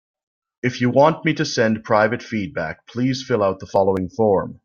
If you want to send me private feedback, please fill out the following form.